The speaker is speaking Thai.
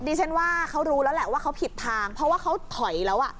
ดิฉันว่าเขารู้แล้วแหละว่าเขาผิดทางเพราะว่าเขาถอยแล้วอ่ะ